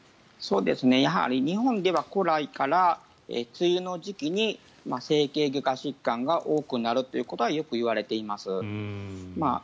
やはり日本では古来から梅雨の時期に整形外科疾患が多くなるとはよくいわれています。